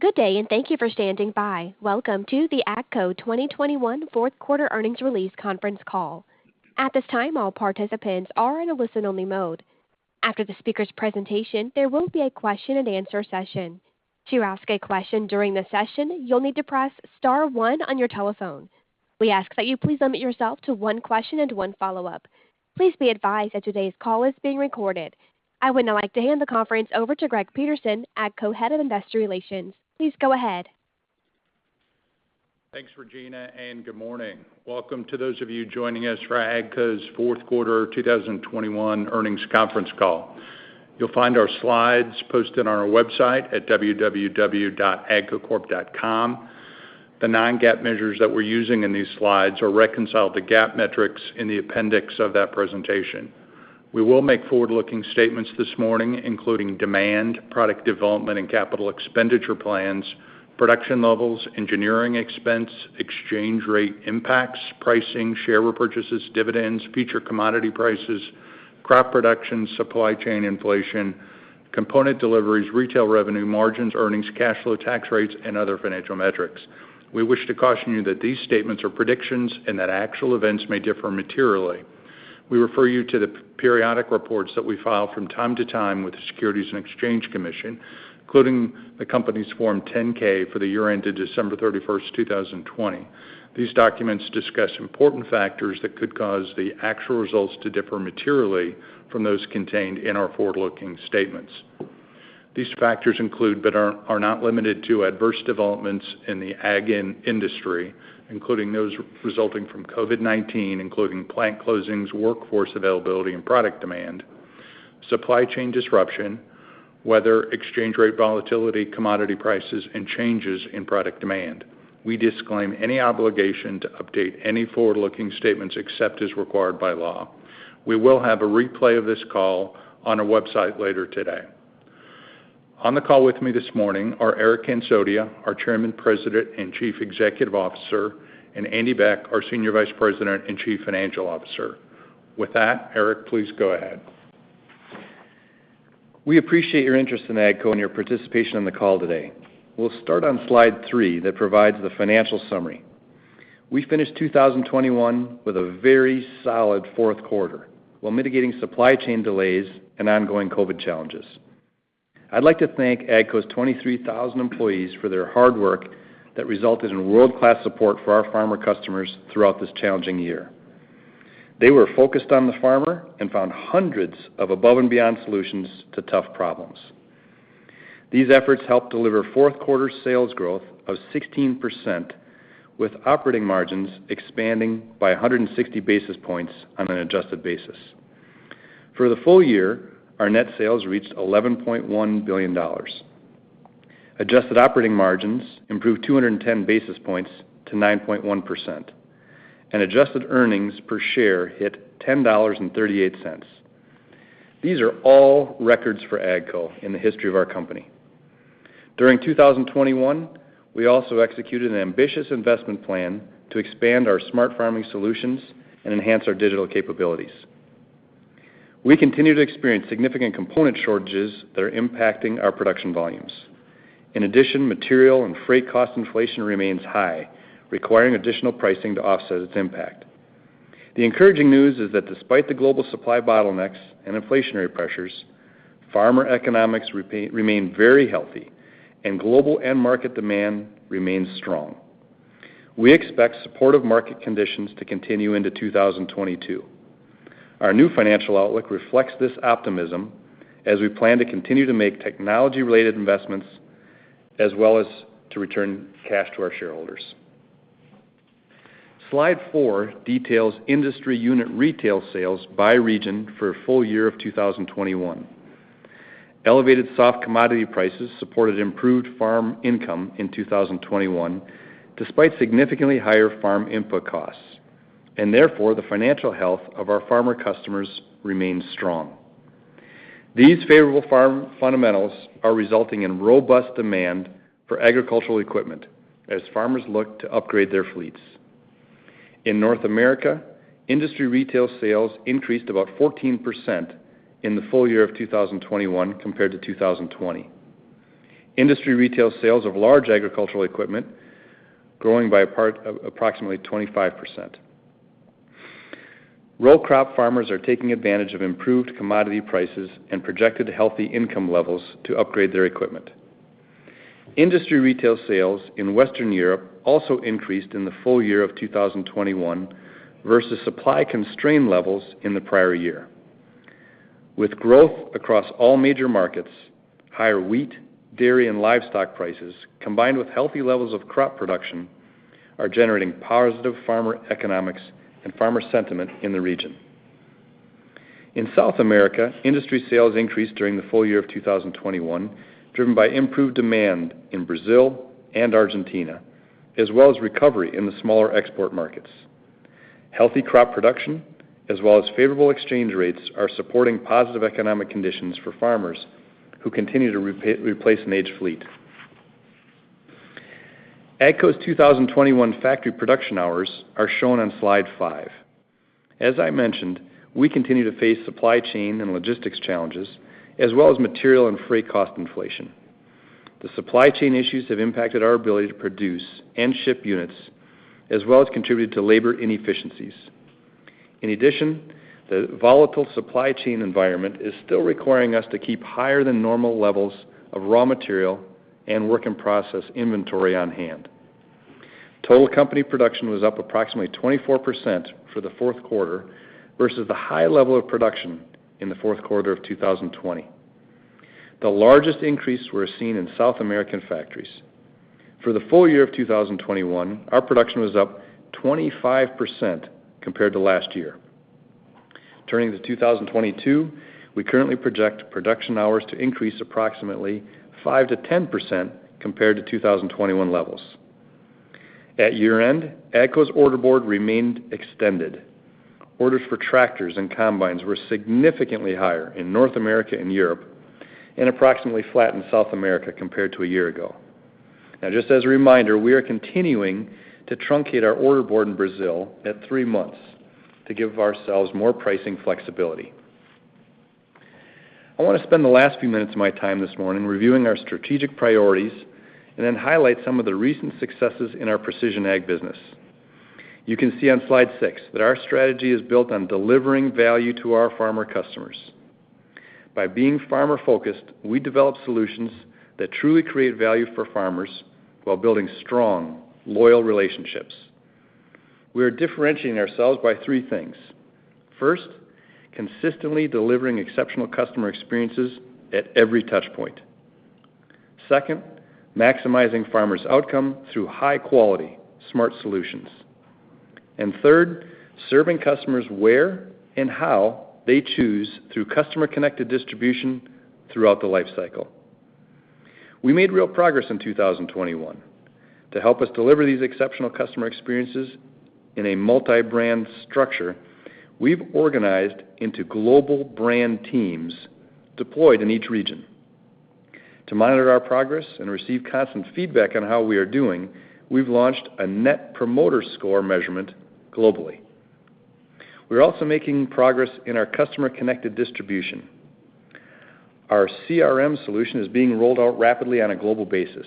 Good day, and thank you for standing by. Welcome to the AGCO 2021 Fourth Quarter Earnings Release Conference Call. At this time, all participants are in a listen-only mode. After the speakers' presentation, there will be a question-and-answer session. To ask a question during the session, you'll need to press star one on your telephone. We ask that you please limit yourself to one question and one follow-up. Please be advised that today's call is being recorded. I would now like to hand the conference over to Greg Peterson, Head of Investor Relations, AGCO. Please go ahead. Thanks, Regina, and good morning. Welcome to those of you joining us for AGCO's Fourth Quarter 2021 Earnings Conference Call. You'll find our slides posted on our website at www.agcocorp.com. The non-GAAP measures that we're using in these slides are reconciled to GAAP metrics in the appendix of that presentation. We will make forward-looking statements this morning, including demand, product development and capital expenditure plans, production levels, engineering expense, exchange rate impacts, pricing, share repurchases, dividends, future commodity prices, crop production, supply chain inflation, component deliveries, retail revenue margins, earnings, cash flow, tax rates, and other financial metrics. We wish to caution you that these statements are predictions and that actual events may differ materially. We refer you to the periodic reports that we file from time to time with the Securities and Exchange Commission, including the company's Form 10-K for the year ended December 31st, 2020. These documents discuss important factors that could cause the actual results to differ materially from those contained in our forward-looking statements. These factors include, but are not limited to, adverse developments in the ag industry, including those resulting from COVID-19, including plant closings, workforce availability, and product demand, supply chain disruption, weather, exchange rate volatility, commodity prices, and changes in product demand. We disclaim any obligation to update any forward-looking statements except as required by law. We will have a replay of this call on our website later today. On the call with me this morning are Eric Hansotia, our Chairman, President, and Chief Executive Officer, and Andy Beck, our Senior Vice President and Chief Financial Officer. With that, Eric, please go ahead. We appreciate your interest in AGCO and your participation on the call today. We'll start on slide three that provides the financial summary. We finished 2021 with a very solid fourth quarter while mitigating supply chain delays and ongoing COVID challenges. I'd like to thank AGCO's 23,000 employees for their hard work that resulted in world-class support for our farmer customers throughout this challenging year. They were focused on the farmer and found hundreds of above-and-beyond solutions to tough problems. These efforts helped deliver fourth quarter sales growth of 16% with operating margins expanding by 160 basis points on an adjusted basis. For the full year, our net sales reached $11.1 billion. Adjusted operating margins improved 210 basis points to 9.1%, and adjusted earnings per share hit $10.38. These are all records for AGCO in the history of our company. During 2021, we also executed an ambitious investment plan to expand our smart farming solutions and enhance our digital capabilities. We continue to experience significant component shortages that are impacting our production volumes. In addition, material and freight cost inflation remains high, requiring additional pricing to offset its impact. The encouraging news is that despite the global supply bottlenecks and inflationary pressures, farmer economics remain very healthy and global end market demand remains strong. We expect supportive market conditions to continue into 2022. Our new financial outlook reflects this optimism as we plan to continue to make technology-related investments as well as to return cash to our shareholders. Slide four details industry unit retail sales by region for a full year of 2021. Elevated soft commodity prices supported improved farm income in 2021 despite significantly higher farm input costs, and therefore the financial health of our farmer customers remains strong. These favorable farm fundamentals are resulting in robust demand for agricultural equipment as farmers look to upgrade their fleets. In North America, industry retail sales increased about 14% in the full year of 2021 compared to 2020. Industry retail sales of large agricultural equipment grew by approximately 25%. Row crop farmers are taking advantage of improved commodity prices and projected healthy income levels to upgrade their equipment. Industry retail sales in Western Europe also increased in the full year of 2021 versus supply-constrained levels in the prior year. With growth across all major markets, higher wheat, dairy, and livestock prices, combined with healthy levels of crop production, are generating positive farmer economics and farmer sentiment in the region. In South America, industry sales increased during the full year of 2021, driven by improved demand in Brazil and Argentina, as well as recovery in the smaller export markets. Healthy crop production as well as favorable exchange rates are supporting positive economic conditions for farmers who continue to replace an aged fleet. AGCO's 2021 factory production hours are shown on slide five. As I mentioned, we continue to face supply chain and logistics challenges, as well as material and freight cost inflation. The supply chain issues have impacted our ability to produce and ship units, as well as contributed to labor inefficiencies. In addition, the volatile supply chain environment is still requiring us to keep higher than normal levels of raw material and work in process inventory on hand. Total company production was up approximately 24% for the fourth quarter versus the high level of production in the fourth quarter of 2020. The largest increase were seen in South American factories. For the full year of 2021, our production was up 25% compared to last year. Turning to 2022, we currently project production hours to increase approximately 5%-10% compared to 2021 levels. At year-end, AGCO's order board remained extended. Orders for tractors and combines were significantly higher in North America and Europe, and approximately flat in South America compared to a year ago. Now just as a reminder, we are continuing to truncate our order board in Brazil at three months to give ourselves more pricing flexibility. I wanna spend the last few minutes of my time this morning reviewing our strategic priorities and then highlight some of the recent successes in our precision ag business. You can see on slide six that our strategy is built on delivering value to our farmer customers. By being farmer-focused, we develop solutions that truly create value for farmers while building strong, loyal relationships. We are differentiating ourselves by three things. First, consistently delivering exceptional customer experiences at every touch point. Second, maximizing farmers' outcome through high quality smart solutions. Third, serving customers where and how they choose through customer-connected distribution throughout the life cycle. We made real progress in 2021 to help us deliver these exceptional customer experiences in a multi-brand structure we've organized into global brand teams deployed in each region. To monitor our progress and receive constant feedback on how we are doing, we've launched a Net Promoter Score measurement globally. We're also making progress in our customer-connected distribution. Our CRM solution is being rolled out rapidly on a global basis.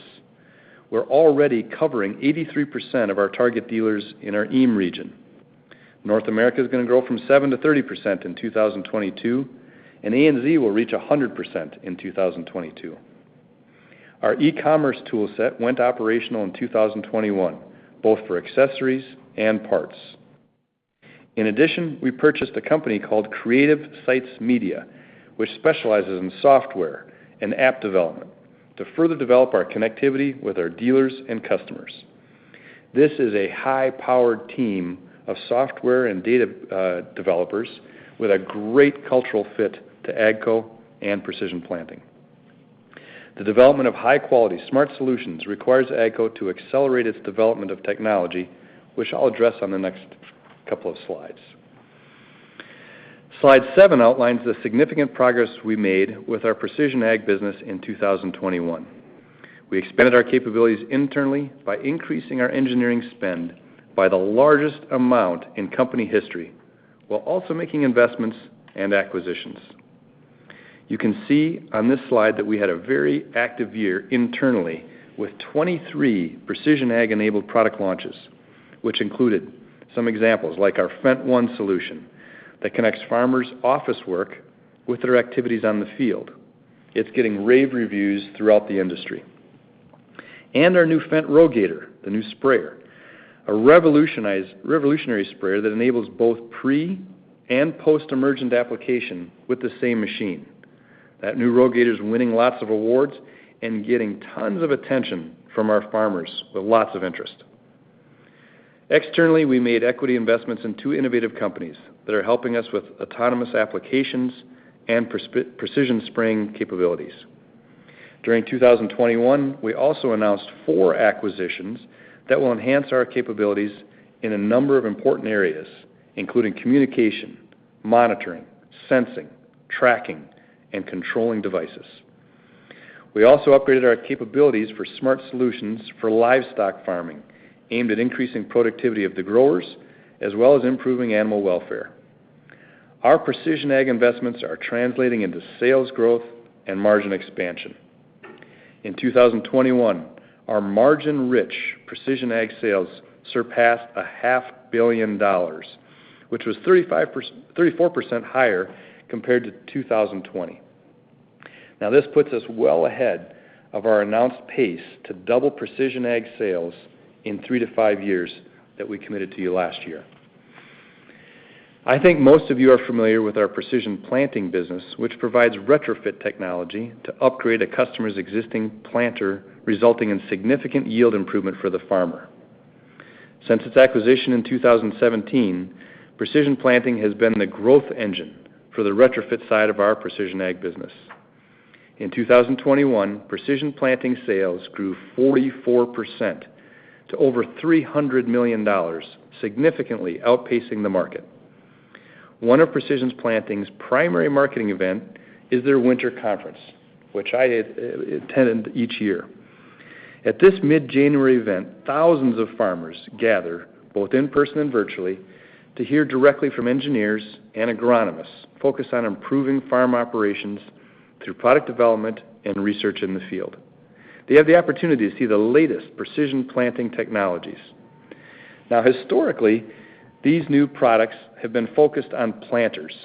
We're already covering 83% of our target dealers in our EME region. North America is gonna grow from 7%-30% in 2022, and APA will reach 100% in 2022. Our e-commerce tool set went operational in 2021, both for accessories and parts. In addition, we purchased a company called Creative Sites Media, which specializes in software and app development to further develop our connectivity with our dealers and customers. This is a high-powered team of software and data developers with a great cultural fit to AGCO and Precision Planting. The development of high-quality smart solutions requires AGCO to accelerate its development of technology, which I'll address on the next couple of slides. Slide seven outlines the significant progress we made with our precision ag business in 2021. We expanded our capabilities internally by increasing our engineering spend by the largest amount in company history while also making investments and acquisitions. You can see on this slide that we had a very active year internally with 23 precision ag-enabled product launches, which included some examples like our FendtONE solution that connects farmers' office work with their activities on the field. It's getting rave reviews throughout the industry. Our new Fendt Rogator, the new sprayer, a revolutionary sprayer that enables both pre- and post-emergent application with the same machine. That new Rogator is winning lots of awards and getting tons of attention from our farmers with lots of interest. Externally, we made equity investments in two innovative companies that are helping us with autonomous applications and precision spraying capabilities. During 2021, we also announced four acquisitions that will enhance our capabilities in a number of important areas, including communication, monitoring, sensing, tracking, and controlling devices. We also upgraded our capabilities for smart solutions for livestock farming, aimed at increasing productivity of the growers, as well as improving animal welfare. Our precision ag investments are translating into sales growth and margin expansion. In 2021, our margin-rich precision ag sales surpassed a $500 million, which was 34% higher compared to 2020. Now this puts us well ahead of our announced pace to double precision ag sales in three to five years that we committed to you last year. I think most of you are familiar with our Precision Planting business, which provides retrofit technology to upgrade a customer's existing planter, resulting in significant yield improvement for the farmer. Since its acquisition in 2017, Precision Planting has been the growth engine for the retrofit side of our precision ag business. In 2021, Precision Planting sales grew 44% to over $300 million, significantly outpacing the market. One of Precision Planting's primary marketing event is their Winter Conference, which I attend each year. At this mid-January event, thousands of farmers gather, both in person and virtually, to hear directly from engineers and agronomists focused on improving farm operations through product development and research in the field. They have the opportunity to see the latest Precision Planting technologies. Now, historically, these new products have been focused on planters.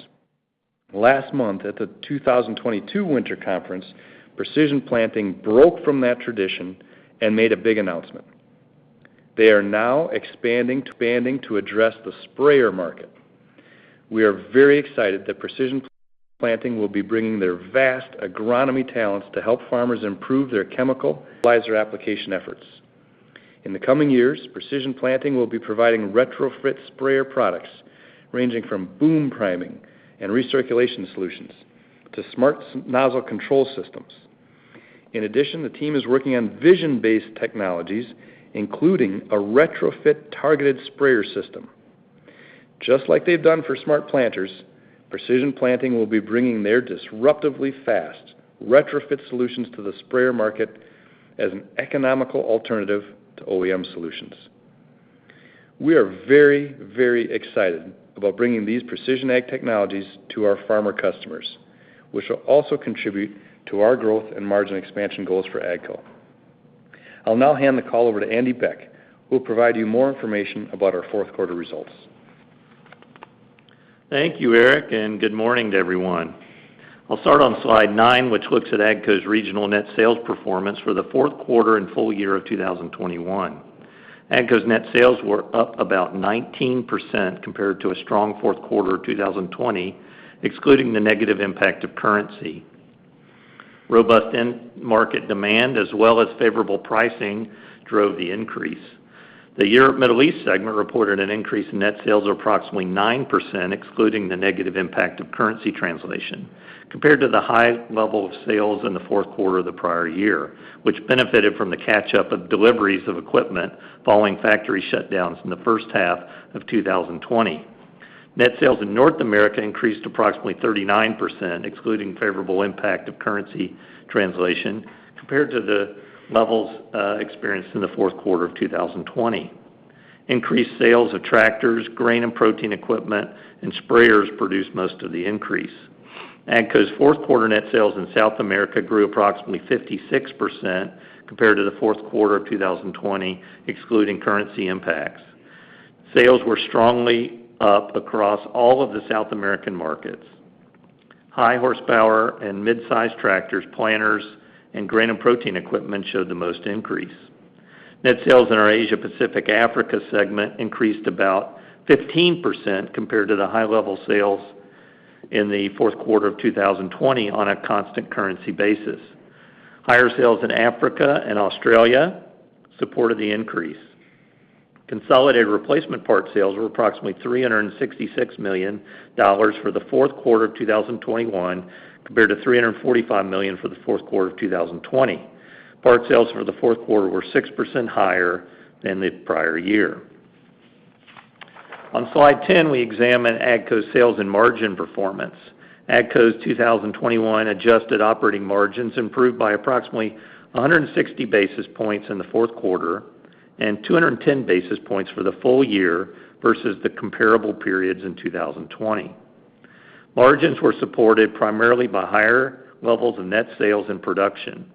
Last month, at the 2022 Winter Conference, Precision Planting broke from that tradition and made a big announcement. They are now expanding to address the sprayer market. We are very excited that Precision Planting will be bringing their vast agronomy talents to help farmers improve their chemical fertilizer application efforts. In the coming years, Precision Planting will be providing retrofit sprayer products ranging from boom priming and recirculation solutions to smart nozzle control systems. In addition, the team is working on vision-based technologies, including a retrofit targeted sprayer system. Just like they've done for smart planters, Precision Planting will be bringing their disruptively fast retrofit solutions to the sprayer market as an economical alternative to OEM solutions. We are very, very excited about bringing these precision ag technologies to our farmer customers, which will also contribute to our growth and margin expansion goals for AGCO. I'll now hand the call over to Andy Beck, who will provide you more information about our fourth quarter results. Thank you, Eric, and good morning to everyone. I'll start on slide nine, which looks at AGCO's regional net sales performance for the fourth quarter and full year of 2021. AGCO's net sales were up about 19% compared to a strong fourth quarter of 2020, excluding the negative impact of currency. Robust end market demand as well as favorable pricing drove the increase. The Europe/Middle East segment reported an increase in net sales of approximately 9%, excluding the negative impact of currency translation, compared to the high level of sales in the fourth quarter of the prior year, which benefited from the catch-up of deliveries of equipment following factory shutdowns in the first half of 2020. Net sales in North America increased approximately 39%, excluding favorable impact of currency translation, compared to the levels experienced in the fourth quarter of 2020. Increased sales of tractors, Grain & Protein equipment, and sprayers produced most of the increase. AGCO's fourth quarter net sales in South America grew approximately 56% compared to the fourth quarter of 2020, excluding currency impacts. Sales were strongly up across all of the South American markets. High horsepower and mid-size tractors, planters, and Grain & Protein equipment showed the most increase. Net sales in our Asia Pacific Africa segment increased about 15% compared to the high-level sales in the fourth quarter of 2020 on a constant currency basis. Higher sales in Africa and Australia supported the increase. Consolidated replacement part sales were approximately $366 million for the fourth quarter of 2021 compared to $345 million for the fourth quarter of 2020. Part sales for the fourth quarter were 6% higher than the prior year. On slide 10, we examine AGCO's sales and margin performance. AGCO's 2021 adjusted operating margins improved by approximately 160 basis points in the fourth quarter and 210 basis points for the full year versus the comparable periods in 2020. Margins were supported primarily by higher levels of net sales and production.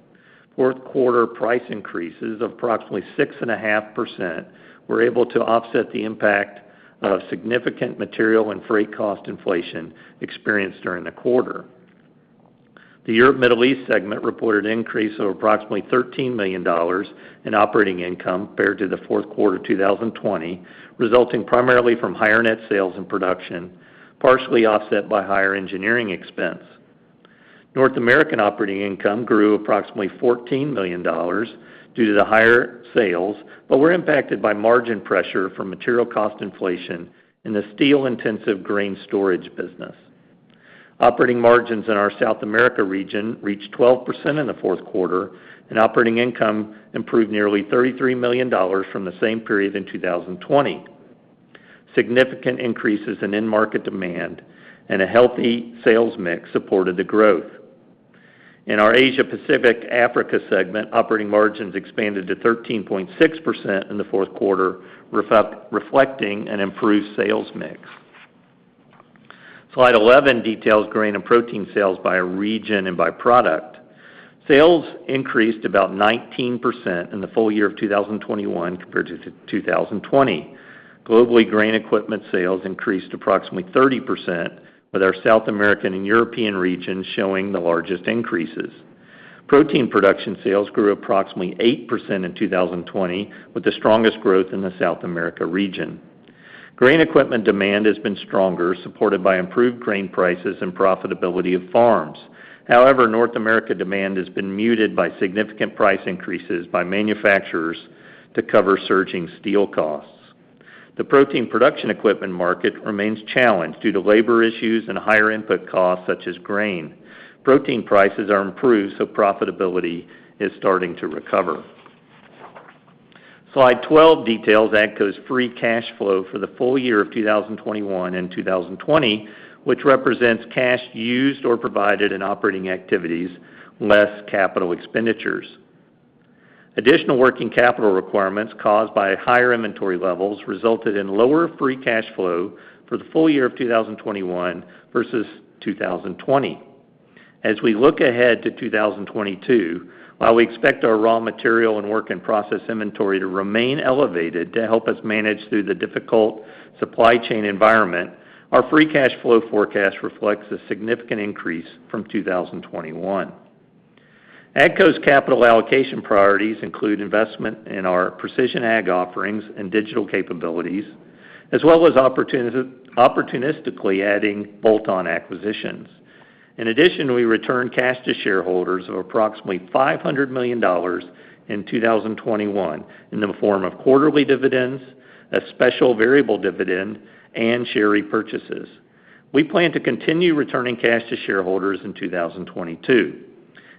Fourth quarter price increases of approximately 6.5% were able to offset the impact of significant material and freight cost inflation experienced during the quarter. The Europe/Middle East segment reported an increase of approximately $13 million in operating income compared to the fourth quarter of 2020, resulting primarily from higher net sales and production, partially offset by higher engineering expense. North American operating income grew approximately $14 million due to the higher sales, but were impacted by margin pressure from material cost inflation in the steel-intensive grain storage business. Operating margins in our South America region reached 12% in the fourth quarter, and operating income improved nearly $33 million from the same period in 2020. Significant increases in end market demand and a healthy sales mix supported the growth. In our Asia Pacific Africa segment, operating margins expanded to 13.6% in the fourth quarter, reflecting an improved sales mix. Slide 11 details Grain & Protein sales by region and by product. Sales increased about 19% in the full year of 2021 compared to 2020. Globally, grain equipment sales increased approximately 30%, with our South American and European regions showing the largest increases. Protein production sales grew approximately 8% in 2020, with the strongest growth in the South America region. Grain equipment demand has been stronger, supported by improved grain prices and profitability of farms. However, North America demand has been muted by significant price increases by manufacturers to cover surging steel costs. The protein production equipment market remains challenged due to labor issues and higher input costs such as grain. Protein prices are improved, so profitability is starting to recover. Slide 12 details AGCO's free cash flow for the full year of 2021 and 2020, which represents cash used or provided in operating activities less capital expenditures. Additional working capital requirements caused by higher inventory levels resulted in lower free cash flow for the full year of 2021 versus 2020. As we look ahead to 2022, while we expect our raw material and work in process inventory to remain elevated to help us manage through the difficult supply chain environment, our free cash flow forecast reflects a significant increase from 2021. AGCO's capital allocation priorities include investment in our precision ag offerings and digital capabilities, as well as opportunistically adding bolt-on acquisitions. In addition, we returned cash to shareholders of approximately $500 million in 2021 in the form of quarterly dividends, a special variable dividend, and share repurchases. We plan to continue returning cash to shareholders in 2022.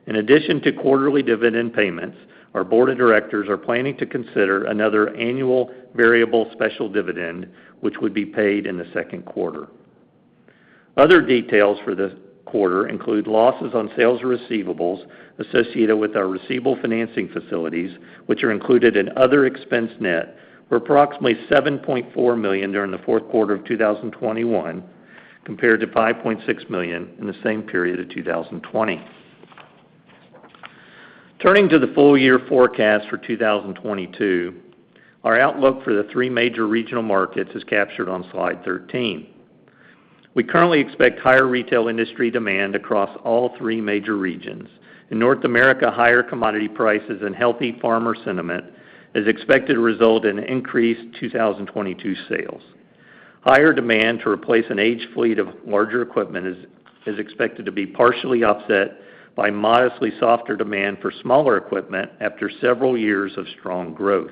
In addition to quarterly dividend payments, our Board of Directors are planning to consider another annual variable special dividend, which would be paid in the second quarter. Other details for the quarter include losses on sales receivables associated with our receivable financing facilities, which are included in other expense, net, were approximately $7.4 million during the fourth quarter of 2021 compared to $5.6 million in the same period of 2020. Turning to the full year forecast for 2022, our outlook for the three major regional markets is captured on slide 13. We currently expect higher retail industry demand across all three major regions. In North America, higher commodity prices and healthy farmer sentiment is expected to result in increased 2022 sales. Higher demand to replace an aged fleet of larger equipment is expected to be partially offset by modestly softer demand for smaller equipment after several years of strong growth.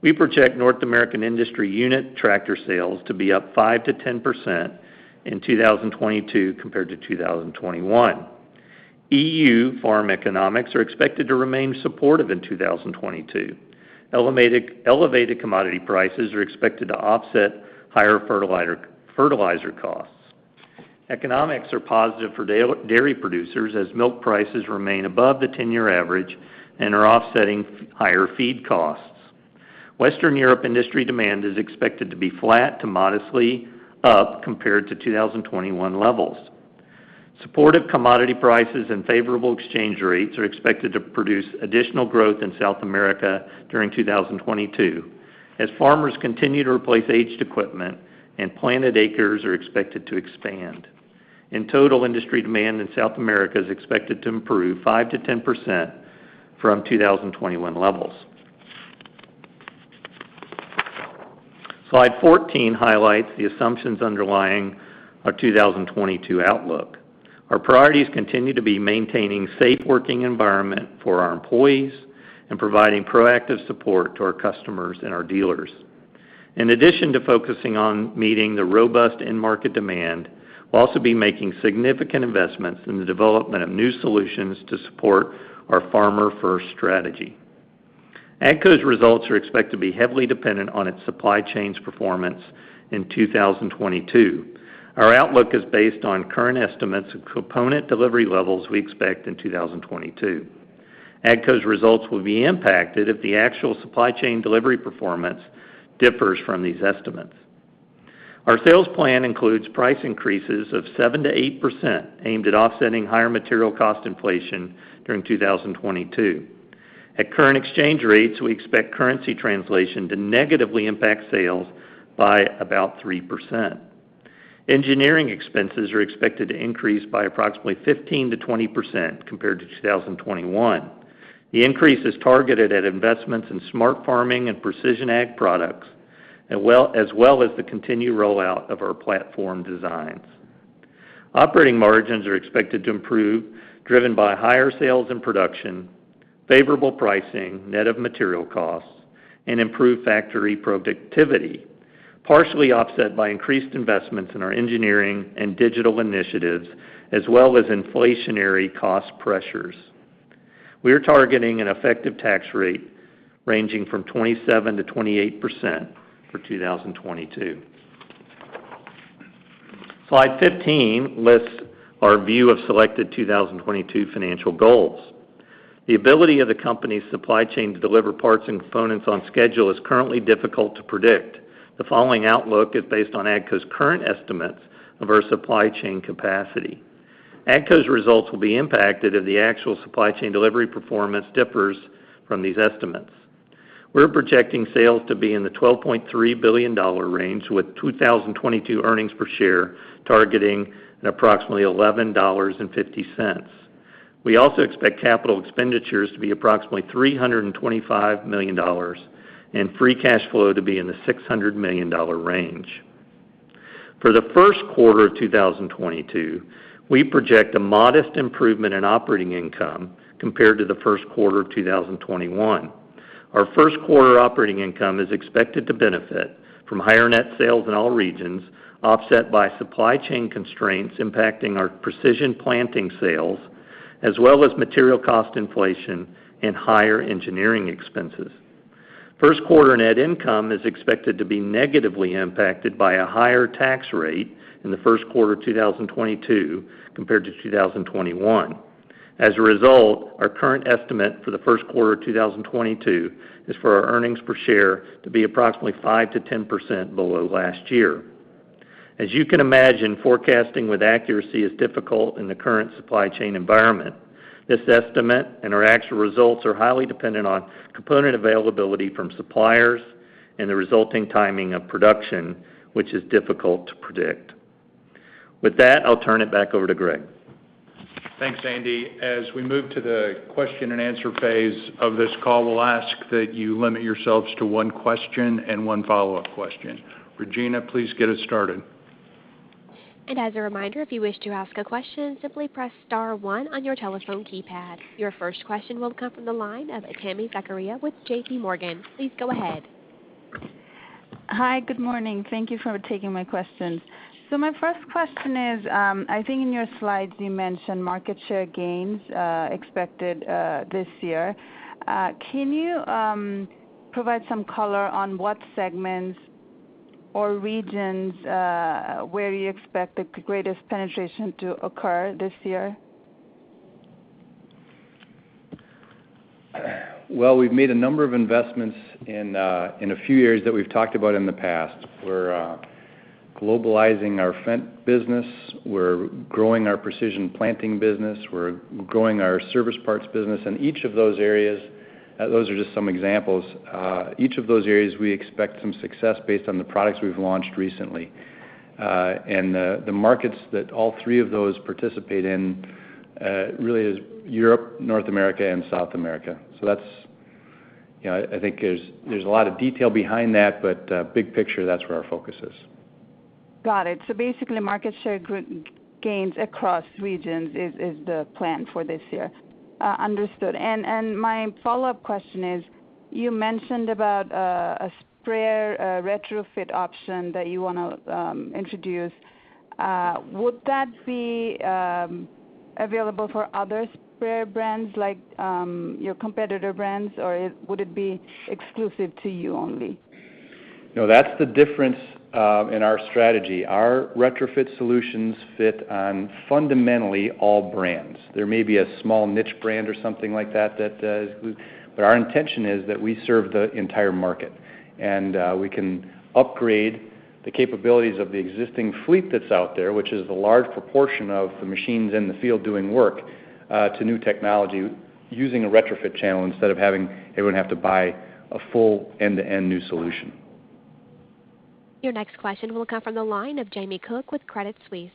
We project North American industry unit tractor sales to be up 5%-10% in 2022 compared to 2021. E.U. farm economics are expected to remain supportive in 2022. Elevated commodity prices are expected to offset higher fertilizer costs. Economics are positive for dairy producers as milk prices remain above the 10-year average and are offsetting higher feed costs. Western Europe industry demand is expected to be flat to modestly up compared to 2021 levels. Supportive commodity prices and favorable exchange rates are expected to produce additional growth in South America during 2022 as farmers continue to replace aged equipment and planted acres are expected to expand. In total, industry demand in South America is expected to improve 5%-10% from 2021 levels. Slide 14 highlights the assumptions underlying our 2022 outlook. Our priorities continue to be maintaining safe working environment for our employees and providing proactive support to our customers and our dealers. In addition to focusing on meeting the robust end market demand, we'll also be making significant investments in the development of new solutions to support our farmer first strategy. AGCO's results are expected to be heavily dependent on its supply chain's performance in 2022. Our outlook is based on current estimates of component delivery levels we expect in 2022. AGCO's results will be impacted if the actual supply chain delivery performance differs from these estimates. Our sales plan includes price increases of 7%-8% aimed at offsetting higher material cost inflation during 2022. At current exchange rates, we expect currency translation to negatively impact sales by about 3%. Engineering expenses are expected to increase by approximately 15%-20% compared to 2021. The increase is targeted at investments in smart farming and precision ag products, as well as the continued rollout of our platform designs. Operating margins are expected to improve, driven by higher sales and production, favorable pricing net of material costs, and improved factory productivity, partially offset by increased investments in our engineering and digital initiatives, as well as inflationary cost pressures. We are targeting an effective tax rate ranging from 27%-28% for 2022. Slide 15 lists our view of selected 2022 financial goals. The ability of the company's supply chain to deliver parts and components on schedule is currently difficult to predict. The following outlook is based on AGCO's current estimates of our supply chain capacity. AGCO's results will be impacted if the actual supply chain delivery performance differs from these estimates. We're projecting sales to be in the $12.3 billion range, with 2022 earnings per share targeting at approximately $11.50. We also expect capital expenditures to be approximately $325 million and free cash flow to be in the $600 million range. For the first quarter of 2022, we project a modest improvement in operating income compared to the first quarter of 2021. Our first quarter operating income is expected to benefit from higher net sales in all regions, offset by supply chain constraints impacting our Precision Planting sales as well as material cost inflation and higher engineering expenses. First quarter net income is expected to be negatively impacted by a higher tax rate in the first quarter 2022 compared to 2021. As a result, our current estimate for the first quarter of 2022 is for our earnings per share to be approximately 5%-10% below last year. As you can imagine, forecasting with accuracy is difficult in the current supply chain environment. This estimate and our actual results are highly dependent on component availability from suppliers and the resulting timing of production, which is difficult to predict. With that, I'll turn it back over to Greg. Thanks, Andy. As we move to the question-and-answer phase of this call, we'll ask that you limit yourselves to one question and one follow-up question. Regina, please get us started. As a reminder, if you wish to ask a question, simply press star one on your telephone keypad. Your first question will come from the line of Tami Zakaria with JPMorgan. Please go ahead. Hi. Good morning. Thank you for taking my questions. My first question is, I think in your slides you mentioned market share gains expected this year. Can you provide some color on what segments or regions where you expect the greatest penetration to occur this year? Well, we've made a number of investments in a few areas that we've talked about in the past. We're globalizing our Fendt business. We're growing our Precision Planting business. We're growing our service parts business. Each of those areas. Those are just some examples. Each of those areas, we expect some success based on the products we've launched recently. The markets that all three of those participate in really is Europe, North America, and South America. You know, I think there's a lot of detail behind that, but big picture, that's where our focus is. Got it. Basically, market share gains across regions is the plan for this year. Understood. My follow-up question is, you mentioned about a sprayer retrofit option that you wanna introduce. Would that be available for other sprayer brands like your competitor brands, or would it be exclusive to you only? No, that's the difference in our strategy. Our retrofit solutions fit on fundamentally all brands. There may be a small niche brand or something like that that does. Our intention is that we serve the entire market, and we can upgrade the capabilities of the existing fleet that's out there, which is the large proportion of the machines in the field doing work to new technology using a retrofit channel instead of having everyone have to buy a full end-to-end new solution. Your next question will come from the line of Jamie Cook with Credit Suisse.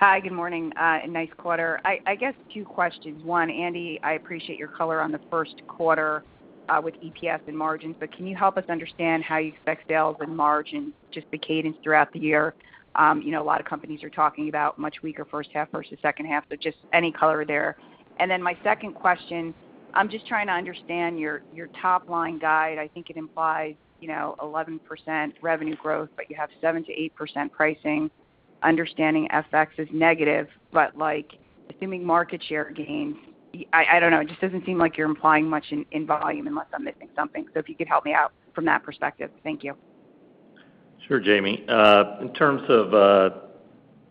Hi. Good morning, and nice quarter. I guess two questions. One, Andy, I appreciate your color on the first quarter with EPS and margins, but can you help us understand how you expect sales and margins, just the cadence throughout the year? You know, a lot of companies are talking about much weaker first half versus second half, so just any color there. My second question, I'm just trying to understand your top line guide. I think it implies, you know, 11% revenue growth, but you have 7%-8% pricing. Understanding FX is negative, but, like, assuming market share gains, I don't know, it just doesn't seem like you're implying much in volume unless I'm missing something. If you could help me out from that perspective. Thank you. Sure, Jamie. In terms of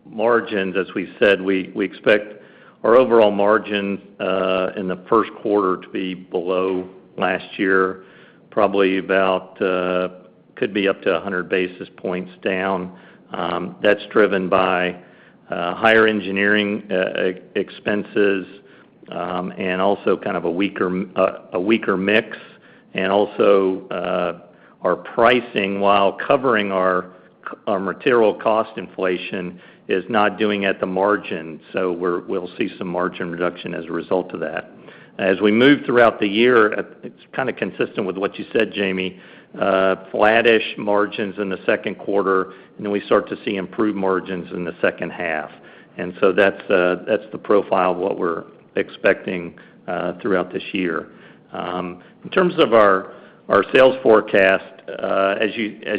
margins, as we said, we expect our overall margin in the first quarter to be below last year, probably could be up to 100 basis points down. That's driven by higher engineering expenses and also kind of a weaker mix. Also, our pricing, while covering our material cost inflation, is not doing at the margin. We'll see some margin reduction as a result of that. As we move throughout the year, it's kinda consistent with what you said, Jamie. Flattish margins in the second quarter, and then we start to see improved margins in the second half. That's the profile of what we're expecting throughout this year. In terms of our sales forecast, as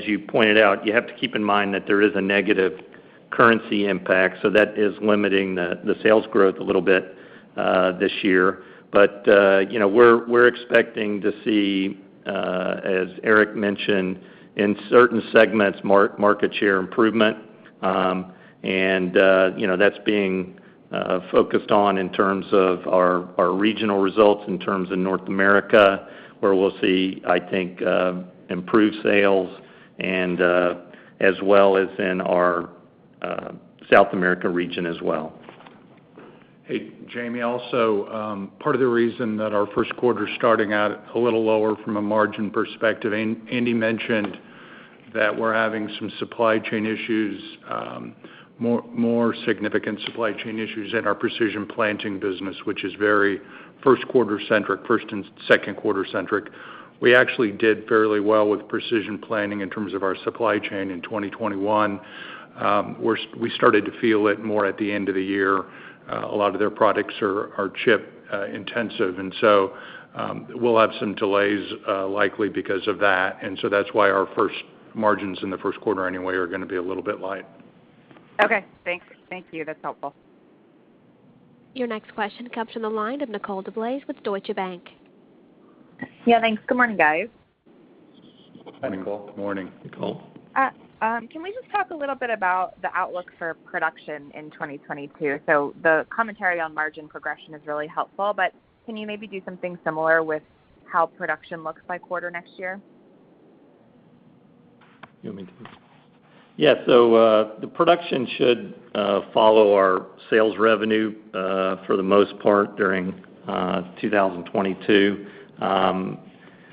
you pointed out, you have to keep in mind that there is a negative currency impact, so that is limiting the sales growth a little bit this year. You know, we're expecting to see, as Eric mentioned, in certain segments, market share improvement. You know, that's being focused on in terms of our regional results in terms of North America, where we'll see, I think, improved sales and, as well as in our South America region as well. Hey, Jamie. Also, part of the reason that our first quarter's starting out a little lower from a margin perspective, Andy mentioned that we're having some supply chain issues, more significant supply chain issues in our Precision Planting business, which is very first-quarter centric, first- and second-quarter centric. We actually did fairly well with Precision Planting in terms of our supply chain in 2021. We started to feel it more at the end of the year. A lot of their products are chip intensive, so we'll have some delays, likely because of that. That's why our first margins in the first quarter anyway are gonna be a little bit light. Okay. Thanks. Thank you. That's helpful. Your next question comes from the line of Nicole DeBlase with Deutsche Bank. Yeah, thanks. Good morning, guys. Hi, Nicole. Good morning. Good morning, Nicole. Can we just talk a little bit about the outlook for production in 2022? The commentary on margin progression is really helpful, but can you maybe do something similar with how production looks by quarter next year? You want me to take this? Yeah. The production should follow our sales revenue for the most part during 2022.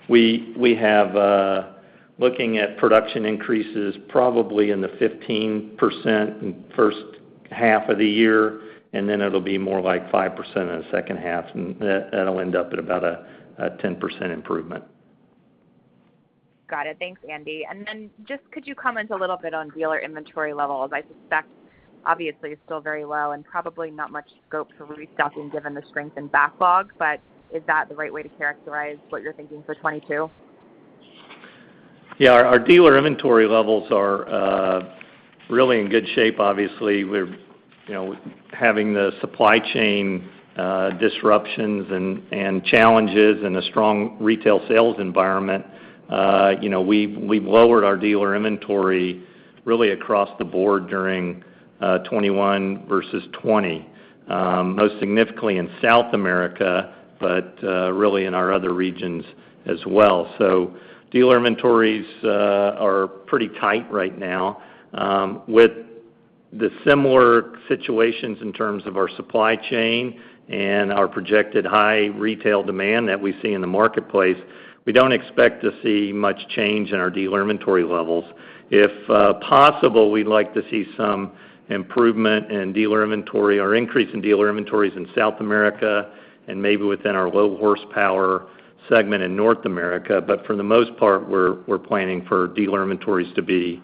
We're looking at production increases probably in the 15% in first half of the year, and then it'll be more like 5% in the second half, and that'll end up at about a 10% improvement. Got it. Thanks, Andy. Just could you comment a little bit on dealer inventory levels? I suspect obviously it's still very low and probably not much scope for restocking given the strength in backlog. Is that the right way to characterize what you're thinking for 2022? Yeah. Our dealer inventory levels are really in good shape. Obviously, we're you know having the supply chain disruptions and challenges and a strong retail sales environment. You know, we've lowered our dealer inventory really across the board during 2021 versus 2020, most significantly in South America, but really in our other regions as well. Dealer inventories are pretty tight right now. With the similar situations in terms of our supply chain and our projected high retail demand that we see in the marketplace, we don't expect to see much change in our dealer inventory levels. If possible, we'd like to see some improvement in dealer inventory or increase in dealer inventories in South America and maybe within our low horsepower segment in North America. For the most part, we're planning for dealer inventories to be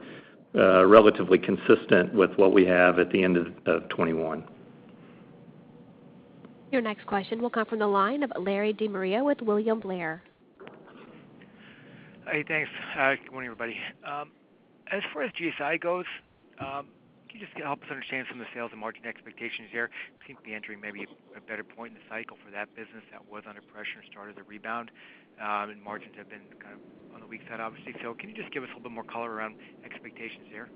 relatively consistent with what we have at the end of 2021. Your next question will come from the line of Larry De Maria with William Blair. Hey, thanks. Good morning, everybody. As far as GSI goes, can you just help us understand some of the sales and margin expectations there? It seems to be entering maybe a better point in the cycle for that business that was under pressure and started to rebound. Margins have been kind of on the weak side, obviously. Can you just give us a little bit more color around expectations there?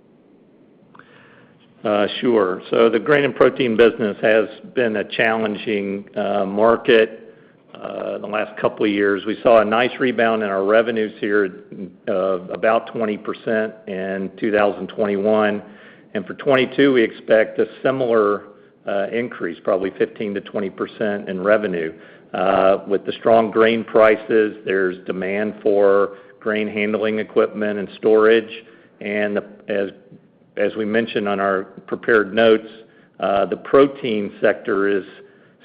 Sure. The Grain & Protein business has been a challenging market the last couple of years. We saw a nice rebound in our revenues here of about 20% in 2021. For 2022, we expect a similar increase, probably 15%-20% in revenue. With the strong grain prices, there's demand for grain handling equipment and storage. As we mentioned on our prepared notes, the protein sector is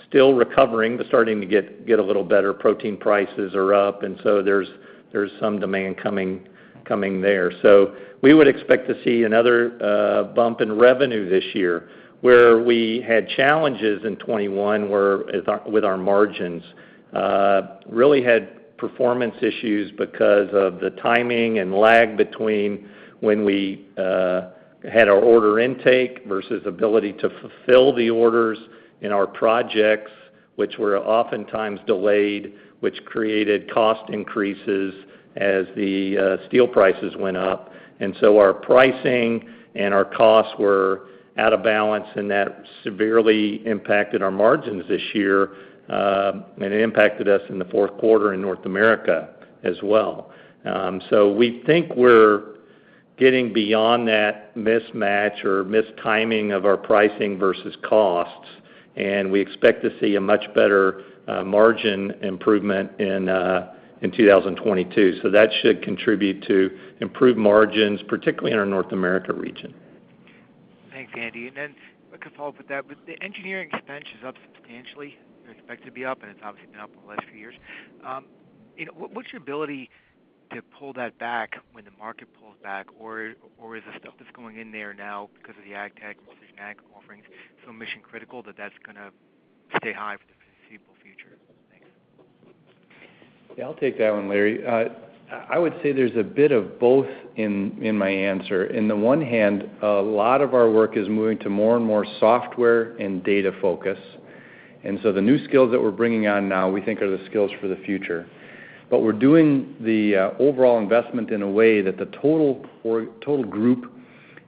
still recovering, but starting to get a little better. Protein prices are up, and there's some demand coming there. We would expect to see another bump in revenue this year. Where we had challenges in 2021 were with our margins. Really had performance issues because of the timing and lag between when we had our order intake versus ability to fulfill the orders in our projects, which were oftentimes delayed, which created cost increases as the steel prices went up. Our pricing and our costs were out of balance, and that severely impacted our margins this year. It impacted us in the fourth quarter in North America as well. We think we're getting beyond that mismatch or mistiming of our pricing versus costs, and we expect to see a much better margin improvement in 2022. That should contribute to improved margins, particularly in our North America region. Thanks, Andy. Then a quick follow-up with that. With the engineering expense is up substantially, or expected to be up, and it's obviously been up over the last few years. You know, what's your ability to pull that back when the market pulls back? Or is the stuff that's going in there now because of the ag tech position, ag offerings, so mission-critical that that's gonna stay high for the foreseeable future? Thanks. Yeah, I'll take that one, Larry. I would say there's a bit of both in my answer. On the one hand, a lot of our work is moving to more and more software and data focus. The new skills that we're bringing on now, we think are the skills for the future. We're doing the overall investment in a way that the total group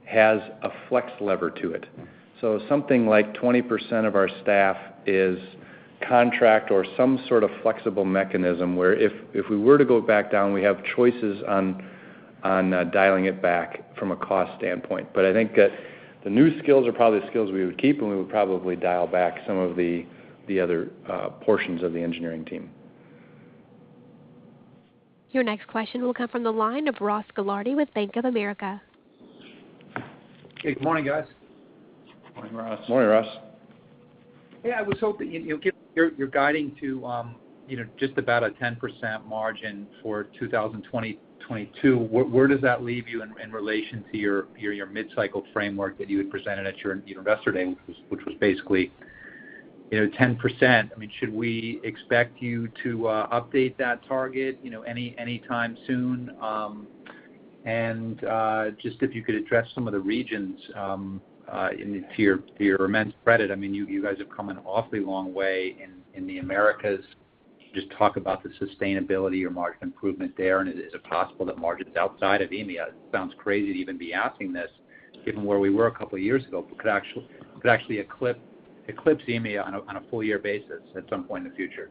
has a flex lever to it. Something like 20% of our staff is contract or some sort of flexible mechanism, where if we were to go back down, we have choices on dialing it back from a cost standpoint. I think that the new skills are probably the skills we would keep, and we would probably dial back some of the other portions of the engineering team. Your next question will come from the line of Ross Gilardi with Bank of America. Hey, Good morning, guys. Morning, Ross. Yeah, I was hoping, you know, you're guiding to, you know, just about a 10% margin for 2022. Where does that leave you in relation to your mid-cycle framework that you had presented at your Investor Day, which was basically, you know, 10%? I mean, should we expect you to update that target, you know, anytime soon? Just if you could address some of the regions, and to your immense credit, I mean, you guys have come an awfully long way in the Americas. Just talk about the sustainability or margin improvement there. And is it possible that margins outside of EMEA? It sounds crazy to even be asking this given where we were a couple of years ago. Could actually eclipse EMEA on a full year basis at some point in the future.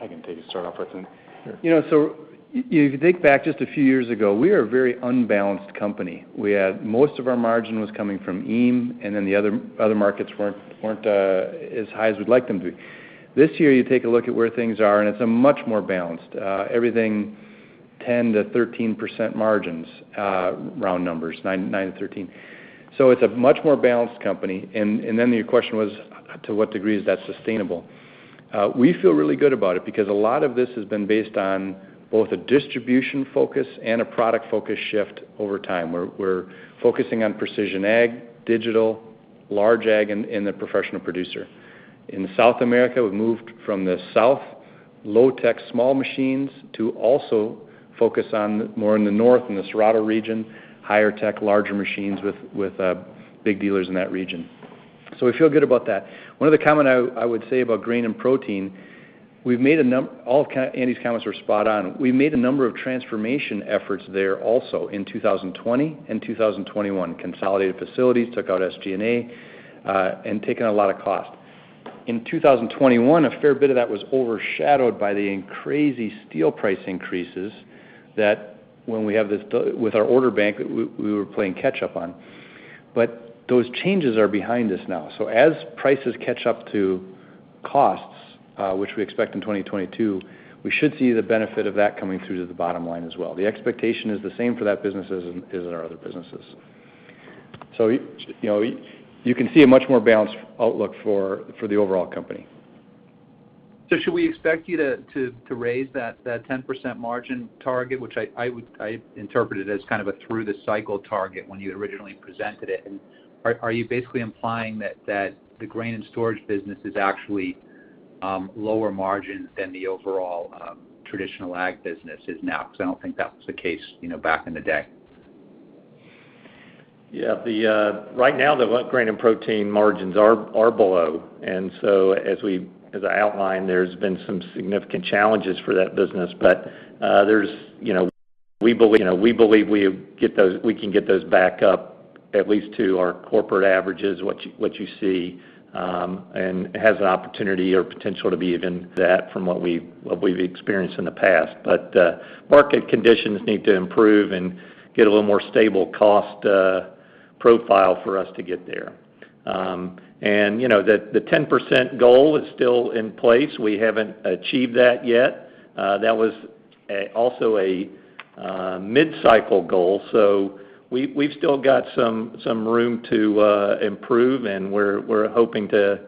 I can take a start off, Ross. You know, you can think back just a few years ago, we are a very unbalanced company. We had most of our margin was coming from EME, and then the other markets weren't as high as we'd like them to be. This year, you take a look at where things are, and it's a much more balanced. Everything 10%-13% margins, round numbers, 9%-13%. It's a much more balanced company. Then your question was, to what degree is that sustainable? We feel really good about it because a lot of this has been based on both a distribution focus and a product focus shift over time. We're focusing on precision ag, digital, large ag, and the professional producer. In South America, we've moved from the south low tech small machines to also focus on more in the north, in the Cerrado region, higher tech, larger machines with big dealers in that region. We feel good about that. One other comment I would say about Grain & Protein, Andy's comments were spot on. We made a number of transformation efforts there also in 2020 and 2021. Consolidated facilities, took out SG&A, and taken a lot of cost. In 2021, a fair bit of that was overshadowed by the crazy steel price increases that with our order bank, we were playing catch up on. Those changes are behind us now. As prices catch up to costs, which we expect in 2022, we should see the benefit of that coming through to the bottom line as well. The expectation is the same for that business as in our other businesses. You know, you can see a much more balanced outlook for the overall company. Should we expect you to raise that 10% margin target, which I interpreted as kind of a through the cycle target when you originally presented it? Are you basically implying that the grain and storage business is actually lower margin than the overall traditional ag business is now? Because I don't think that was the case, you know, back in the day. Yeah. Right now, the Grain & Protein margins are below. As I outlined, there's been some significant challenges for that business. There's, you know, we believe we can get those back up at least to our corporate averages, what you see, and has an opportunity or potential to be even that from what we've experienced in the past. Market conditions need to improve and get a little more stable cost profile for us to get there. You know, the 10% goal is still in place. We haven't achieved that yet. That was also a mid-cycle goal. We've still got some room to improve, and we're hoping to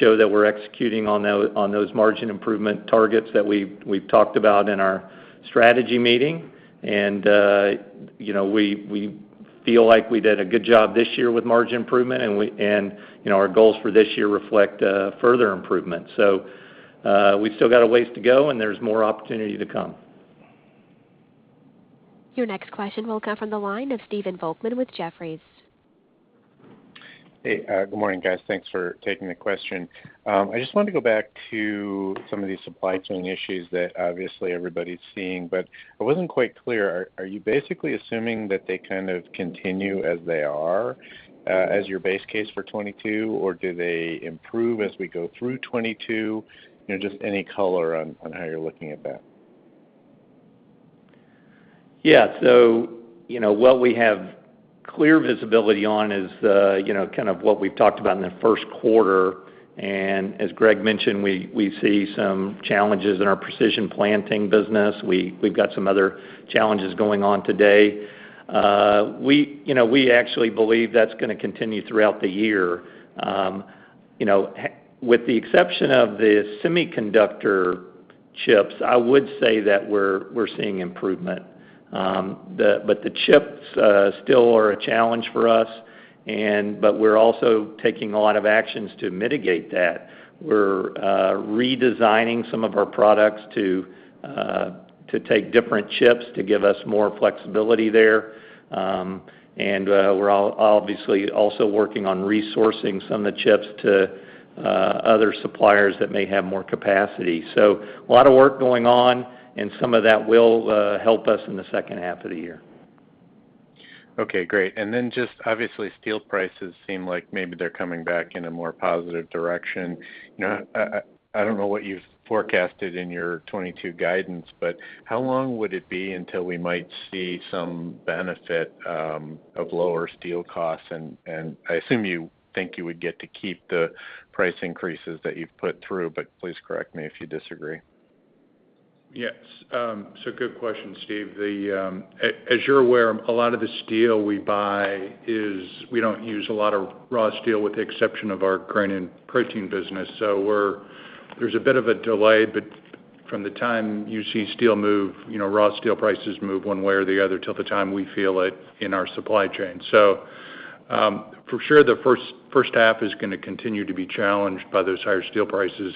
show that we're executing on those margin improvement targets that we've talked about in our strategy meeting. You know, we feel like we did a good job this year with margin improvement, and you know, our goals for this year reflect further improvement. We've still got a ways to go, and there's more opportunity to come. Your next question will come from the line of Stephen Volkmann with Jefferies. Hey, good morning, guys. Thanks for taking the question. I just wanted to go back to some of these supply chain issues that obviously everybody's seeing, but I wasn't quite clear. Are you basically assuming that they kind of continue as they are, as your base case for 2022, or do they improve as we go through 2022? You know, just any color on how you're looking at that. Yeah. You know, what we have clear visibility on is, you know, kind of what we've talked about in the first quarter. As Greg mentioned, we see some challenges in our Precision Planting business. We've got some other challenges going on today. You know, we actually believe that's gonna continue throughout the year. You know, with the exception of the semiconductor chips, I would say that we're seeing improvement. But the chips still are a challenge for us, but we're also taking a lot of actions to mitigate that. We're redesigning some of our products to take different chips to give us more flexibility there. And we're obviously also working on resourcing some of the chips to other suppliers that may have more capacity. A lot of work going on, and some of that will help us in the second half of the year. Okay, great. Then just obviously, steel prices seem like maybe they're coming back in a more positive direction. You know, I don't know what you've forecasted in your 2022 guidance, but how long would it be until we might see some benefit of lower steel costs? I assume you think you would get to keep the price increases that you've put through, but please correct me if you disagree. Yes. Good question, Steve. As you're aware, we don't use a lot of raw steel with the exception of our Grain & Protein business. There's a bit of a delay, but from the time you see steel move, you know, raw steel prices move one way or the other till the time we feel it in our supply chain. For sure the first half is gonna continue to be challenged by those higher steel prices.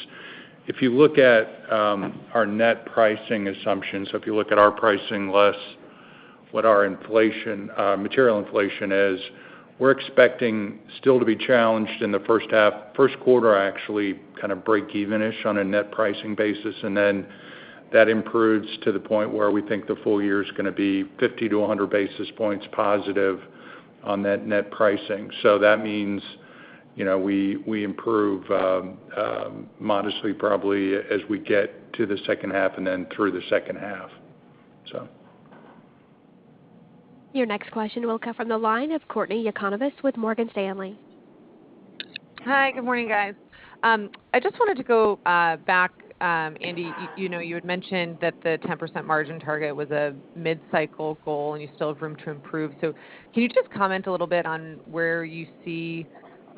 If you look at our net pricing assumptions, if you look at our pricing less what our inflation, material inflation is, we're expecting still to be challenged in the first half. First quarter actually kind of breakeven-ish on a net pricing basis, and then that improves to the point where we think the full year is gonna be 50-100 basis points positive on that net pricing. That means, you know, we improve modestly probably as we get to the second half and then through the second half. Your next question will come from the line of Courtney Yakavonis with Morgan Stanley. Hi, good morning, guys. I just wanted to go back, Andy, you know, you had mentioned that the 10% margin target was a mid-cycle goal, and you still have room to improve. Can you just comment a little bit on where you see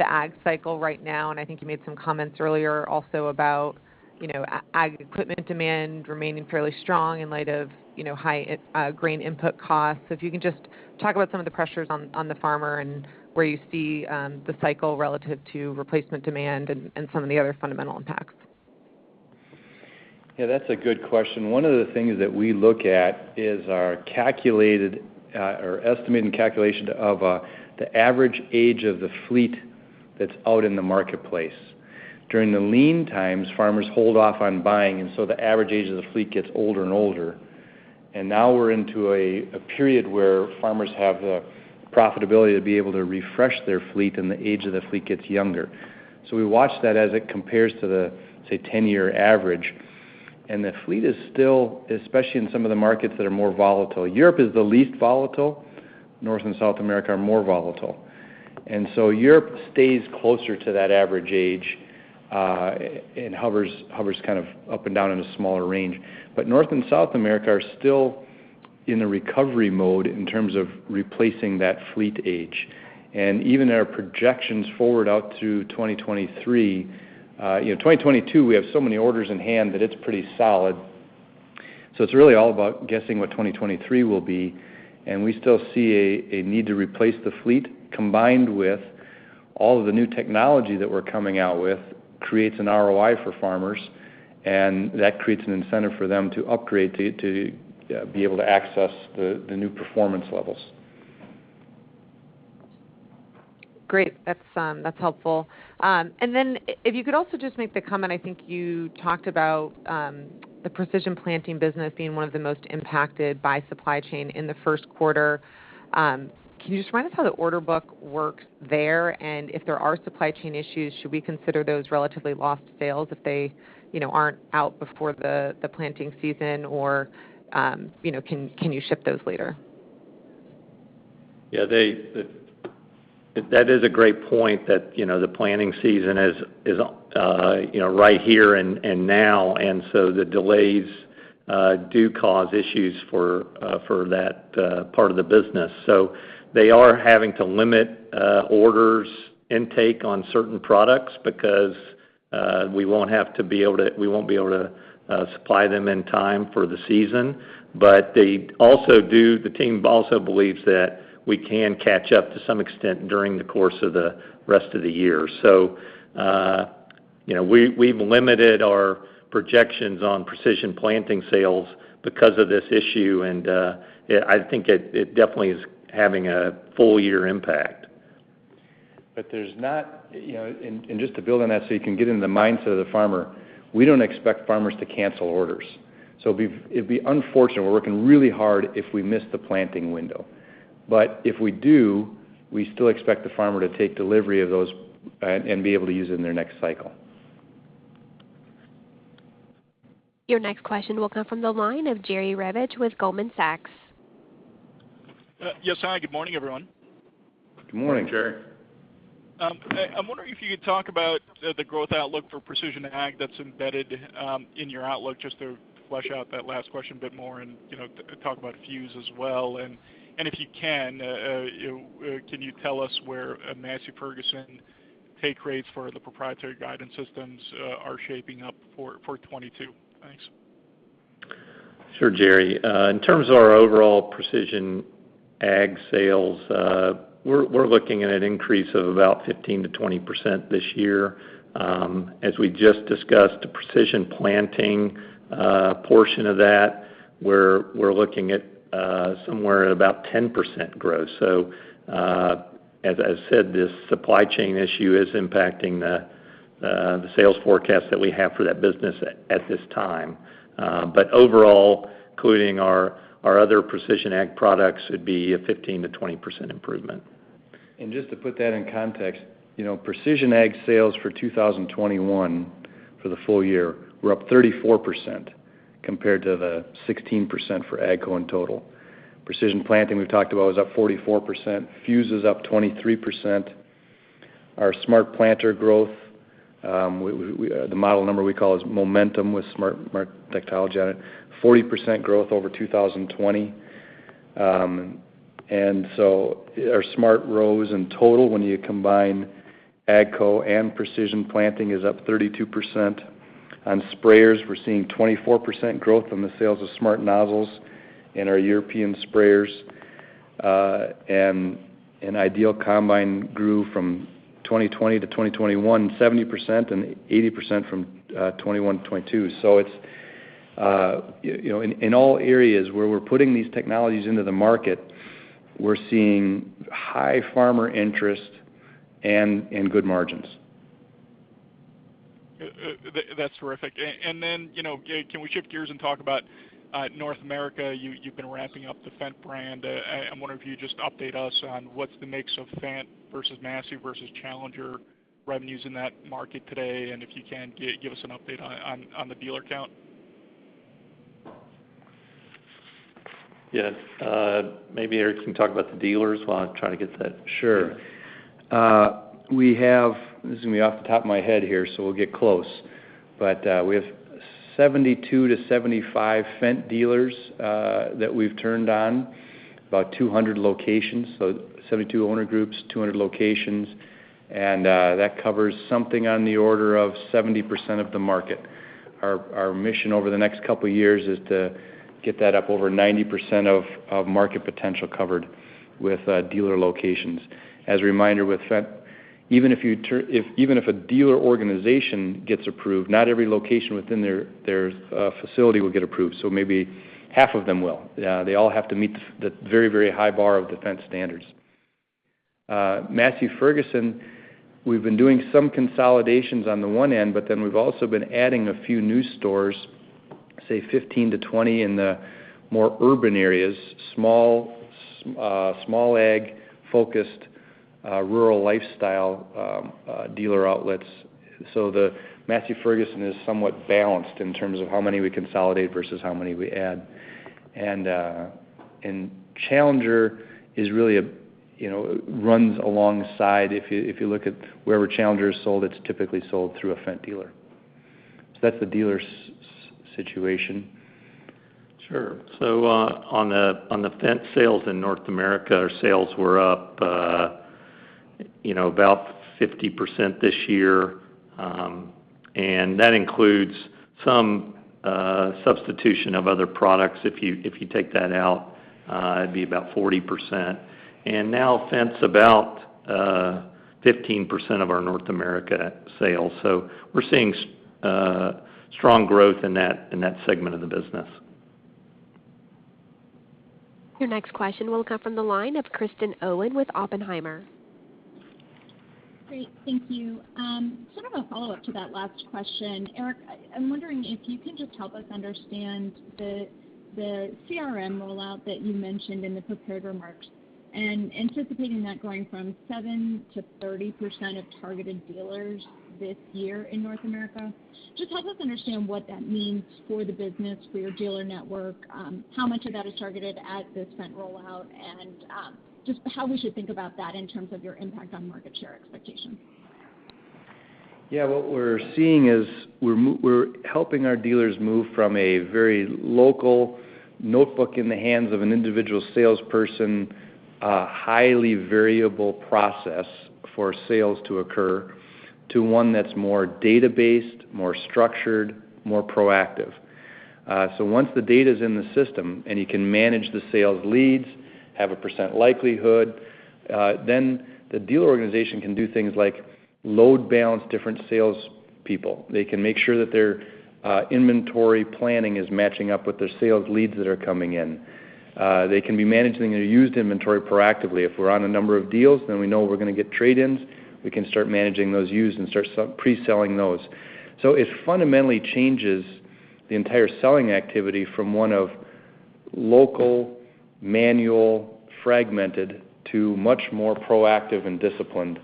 the ag cycle right now? I think you made some comments earlier also about, you know, ag equipment demand remaining fairly strong in light of, you know, high grain input costs. If you can just talk about some of the pressures on the farmer and where you see the cycle relative to replacement demand and some of the other fundamental impacts. Yeah, that's a good question. One of the things that we look at is our calculated or estimated calculation of the average age of the fleet that's out in the marketplace. During the lean times, farmers hold off on buying, and so the average age of the fleet gets older and older. Now we're into a period where farmers have the profitability to be able to refresh their fleet, and the age of the fleet gets younger. We watch that as it compares to the, say, 10-year average. The fleet is still, especially in some of the markets that are more volatile. Europe is the least volatile. North and South America are more volatile. Europe stays closer to that average age, and hovers kind of up and down in a smaller range. North and South America are still in a recovery mode in terms of replacing that fleet age. Even our projections forward out to 2023, 2022, we have so many orders in hand that it's pretty solid. It's really all about guessing what 2023 will be. We still see a need to replace the fleet, combined with all of the new technology that we're coming out with creates an ROI for farmers, and that creates an incentive for them to upgrade to be able to access the new performance levels. Great. That's helpful. If you could also just make the comment, I think you talked about the Precision Planting business being one of the most impacted by supply chain in the first quarter. Can you just remind us how the order book works there, and if there are supply chain issues, should we consider those relatively lost sales if they you know aren't out before the planting season or you know can you ship those later? That is a great point that, you know, the planting season is you know, right here and now. The delays do cause issues for that part of the business. They are having to limit order intake on certain products because we won't be able to supply them in time for the season. The team also believes that we can catch up to some extent during the course of the rest of the year. You know, we've limited our projections on Precision Planting sales because of this issue, and yeah, I think it definitely is having a full-year impact. You know, and just to build on that so you can get in the mindset of the farmer, we don't expect farmers to cancel orders. It'd be unfortunate. We're working really hard if we miss the planting window. If we do, we still expect the farmer to take delivery of those and be able to use it in their next cycle. Your next question will come from the line of Jerry Revich with Goldman Sachs. Yes. Hi, good morning, everyone. Good morning. Morning, Jerry. I'm wondering if you could talk about the growth outlook for precision ag that's embedded in your outlook, just to flesh out that last question a bit more and, you know, talk about Fuse as well. If you can you tell us where a Massey Ferguson take rates for the proprietary guidance systems are shaping up for 2022? Thanks. Sure, Jerry. In terms of our overall precision ag sales, we're looking at an increase of about 15%-20% this year. As we just discussed, the Precision Planting portion of that, we're looking at somewhere at about 10% growth. As I said, this supply chain issue is impacting the sales forecast that we have for that business at this time. Overall, including our other precision ag products, it'd be a 15%-20% improvement. Just to put that in context, you know, precision ag sales for 2021 for the full year were up 34% compared to the 16% for AGCO in total. Precision Planting we've talked about was up 44%. Fuse is up 23%. Our smart planter growth, the model number we call is Momentum with smart technology on it, 40% growth over 2020. Our smart rows in total when you combine AGCO and Precision Planting is up 32%. On sprayers, we're seeing 24% growth in the sales of smart nozzles in our European sprayers. IDEAL combine grew from 2020 to 2021, 70% and 80% from 2021 to 2022. It's you know, in all areas where we're putting these technologies into the market, we're seeing high farmer interest and good margins. That's terrific. Then, you know, can we shift gears and talk about North America? You've been ramping up the Fendt brand. I wonder if you just update us on what's the mix of Fendt versus Massey versus Challenger revenues in that market today. If you can, give us an update on the dealer count. Yes. Maybe Eric can talk about the dealers while I try to get that. Sure. This is gonna be off the top of my head here, so we'll get close. We have 72-75 Fendt dealers that we've turned on, about 200 locations. 72 owner groups, 200 locations, and that covers something on the order of 70% of the market. Our mission over the next couple of years is to get that up over 90% of market potential covered with dealer locations. As a reminder with Fendt, even if a dealer organization gets approved, not every location within their facility will get approved, so maybe half of them will. They all have to meet the very high bar of the Fendt standards. Massey Ferguson, we've been doing some consolidations on the one end, but then we've also been adding a few new stores, say 15 to 20 in the more urban areas, small ag-focused rural lifestyle dealer outlets. The Massey Ferguson is somewhat balanced in terms of how many we consolidate versus how many we add. Challenger is really a, you know, runs alongside. If you look at wherever Challenger is sold, it's typically sold through a Fendt dealer. That's the dealer situation. Sure. On the Fendt sales in North America, our sales were up, you know, about 50% this year, and that includes some substitution of other products. If you take that out, it'd be about 40%. Now Fendt's about 15% of our North America sales. We're seeing strong growth in that segment of the business. Your next question will come from the line of Kristen Owen with Oppenheimer. Great. Thank you. Sort of a follow-up to that last question. Eric, I'm wondering if you can just help us understand the CRM rollout that you mentioned in the prepared remarks and anticipating that going from 7%-30% of targeted dealers this year in North America. Just help us understand what that means for the business, for your dealer network, how much of that is targeted at this Fendt rollout and just how we should think about that in terms of your impact on market share expectation. Yeah. What we're seeing is we're helping our dealers move from a very local notebook in the hands of an individual salesperson, a highly variable process for sales to occur to one that's more data-based, more structured, more proactive. Once the data is in the system and you can manage the sales leads, have a percent likelihood, the dealer organization can do things like load balance different sales people. They can make sure that their inventory planning is matching up with their sales leads that are coming in. They can be managing their used inventory proactively. If we're on a number of deals, we know we're gonna get trade-ins, we can start managing those used and start pre-selling those. It fundamentally changes the entire selling activity from one of local, manual, fragmented to much more proactive and disciplined.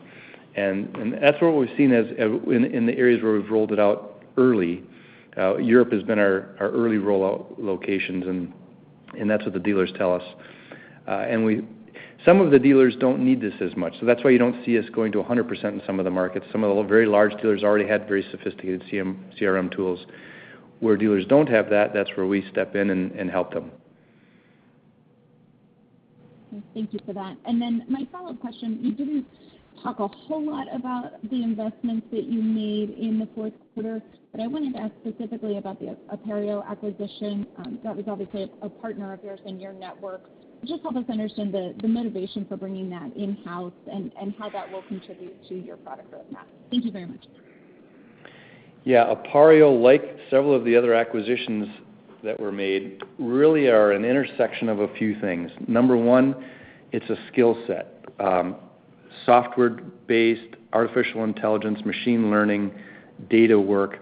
That's what we've seen in the areas where we've rolled it out early. Europe has been our early rollout locations and that's what the dealers tell us. Some of the dealers don't need this as much. That's why you don't see us going to 100% in some of the markets. Some of the very large dealers already had very sophisticated CRM tools. Where dealers don't have that's where we step in and help them. Thank you for that. Then my follow-up question, you didn't talk a whole lot about the investments that you made in the fourth quarter. I wanted to ask specifically about the Appareo acquisition, that was obviously a partner of yours in your network. Just help us understand the motivation for bringing that in-house and how that will contribute to your product roadmap. Thank you very much. Yeah. Appareo, like several of the other acquisitions that were made, really are an intersection of a few things. Number one, it's a skill set. Software-based artificial intelligence, machine learning, data work,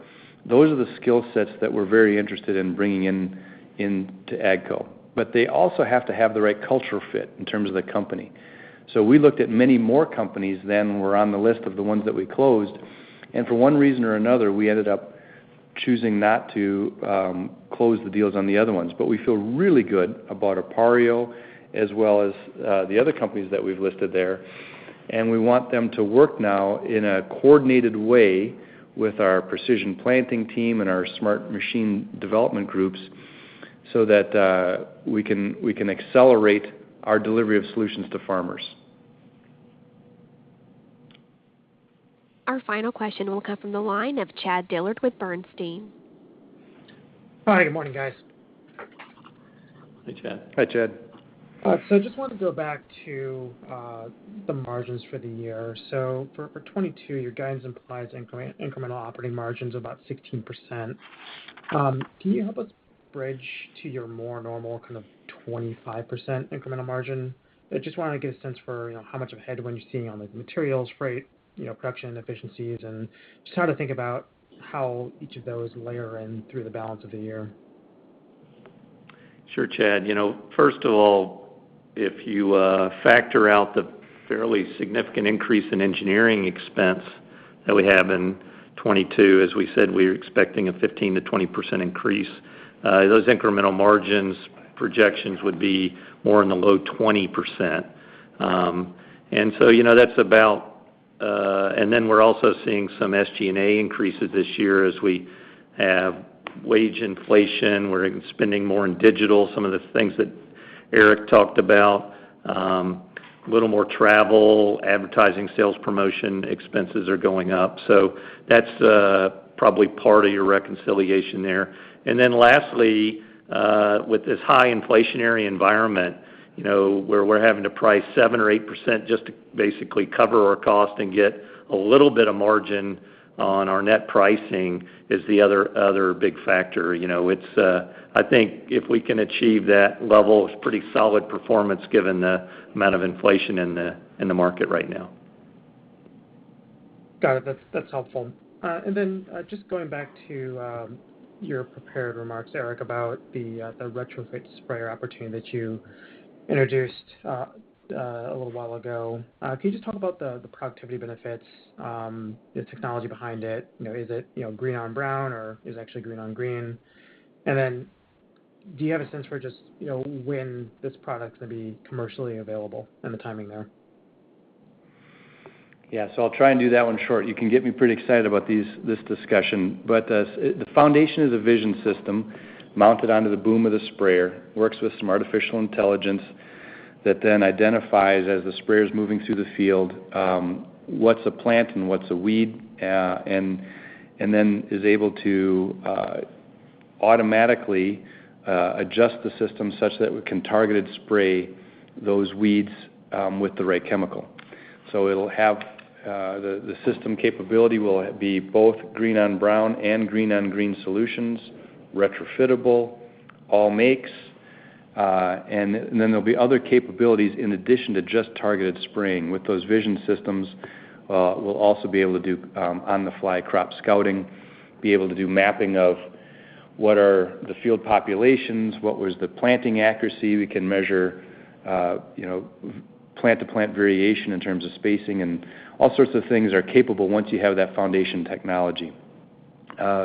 those are the skill sets that we're very interested in bringing in to AGCO. They also have to have the right culture fit in terms of the company. We looked at many more companies than were on the list of the ones that we closed, and for one reason or another, we ended up choosing not to close the deals on the other ones. We feel really good about Appareo as well as the other companies that we've listed there. We want them to work now in a coordinated way with our Precision Planting team and our smart machine development groups so that we can accelerate our delivery of solutions to farmers. Our final question will come from the line of Chad Dillard with Bernstein. Hi, good morning, guys. Hey, Chad. Hi, Chad. I just wanted to go back to the margins for the year. For 2022, your guidance implies incremental operating margins about 16%. Can you help us bridge to your more normal kind of 25% incremental margin? I just wanna get a sense for, you know, how much of a headwind you're seeing on the materials, freight, you know, production efficiencies, and just how to think about how each of those layer in through the balance of the year. Sure, Chad. You know, first of all, if you factor out the fairly significant increase in engineering expense that we have in 2022, as we said, we're expecting a 15%-20% increase. Those incremental margins projections would be more in the low 20%. You know, that's about. We're also seeing some SG&A increases this year as we have wage inflation, we're spending more in digital, some of the things that Eric talked about, a little more travel, advertising, sales promotion expenses are going up. So that's probably part of your reconciliation there. Lastly, with this high inflationary environment, you know, where we're having to price 7% or 8% just to basically cover our cost and get a little bit of margin on our net pricing is the other big factor. You know, it's, I think if we can achieve that level, it's pretty solid performance given the amount of inflation in the market right now. Got it. That's helpful. Just going back to your prepared remarks, Eric, about the retrofit sprayer opportunity that you introduced a little while ago. Can you just talk about the productivity benefits, the technology behind it? You know, is it green on brown or is it actually green on green? Do you have a sense for just when this product's gonna be commercially available and the timing there? Yeah. I'll try and do that one short. You can get me pretty excited about this discussion, but the foundation is a vision system mounted onto the boom of the sprayer, works with some artificial intelligence that then identifies as the sprayer is moving through the field, what's a plant and what's a weed, and then is able to automatically adjust the system such that we can targeted spray those weeds with the right chemical. It'll have the system capability will be both green on brown and green on green solutions, retrofittable, all makes, and then there'll be other capabilities in addition to just targeted spraying. With those vision systems, we'll also be able to do on-the-fly crop scouting, be able to do mapping of what are the field populations, what was the planting accuracy. We can measure, you know, plant-to-plant variation in terms of spacing and all sorts of things are capable once you have that foundation technology.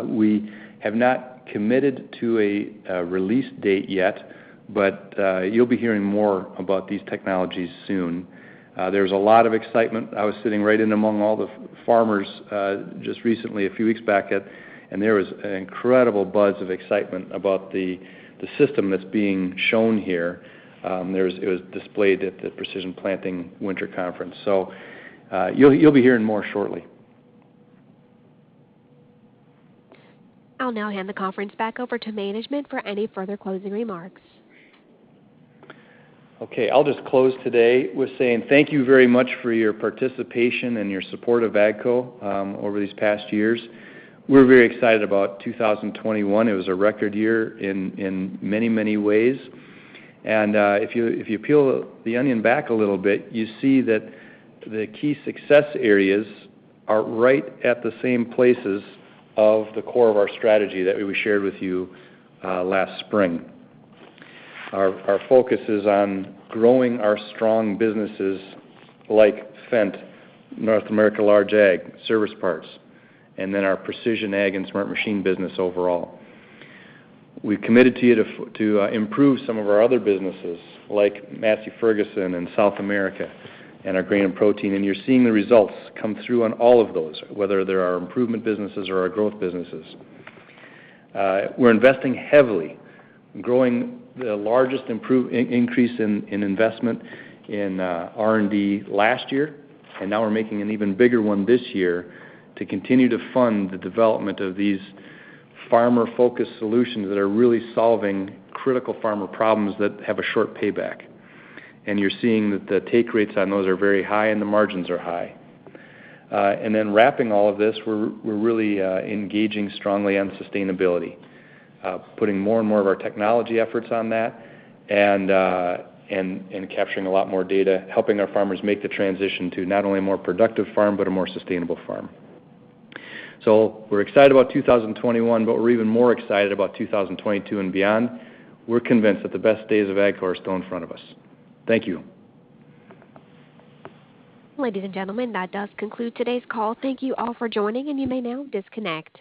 We have not committed to a release date yet, but you'll be hearing more about these technologies soon. There's a lot of excitement. I was sitting right in among all the farmers, just recently, a few weeks back, and there was an incredible buzz of excitement about the system that's being shown here. It was displayed at the Precision Planting Winter Conference. You'll be hearing more shortly. I'll now hand the conference back over to management for any further closing remarks. Okay. I'll just close today with saying thank you very much for your participation and your support of AGCO over these past years. We're very excited about 2021. It was a record year in many ways. If you peel the onion back a little bit, you see that the key success areas are right at the same places of the core of our strategy that we shared with you last spring. Our focus is on growing our strong businesses like Fendt, North America Large Ag, Service Parts, and then our precision ag and Smart Machine business overall. We've committed to you to improve some of our other businesses like Massey Ferguson and South America and our Grain & Protein, and you're seeing the results come through on all of those, whether they're our improvement businesses or our growth businesses. We're investing heavily, growing the largest increase in investment in R&D last year, and now we're making an even bigger one this year to continue to fund the development of these farmer-focused solutions that are really solving critical farmer problems that have a short payback. You're seeing that the take rates on those are very high, and the margins are high. Wrapping all of this, we're really engaging strongly on sustainability, putting more and more of our technology efforts on that and capturing a lot more data, helping our farmers make the transition to not only a more productive farm, but a more sustainable farm. We're excited about 2021, but we're even more excited about 2022 and beyond. We're convinced that the best days of AGCO are still in front of us. Thank you. Ladies and gentlemen, that does conclude today's call. Thank you all for joining, and you may now disconnect.